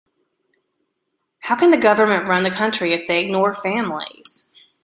How can the government run the country if they ignore families?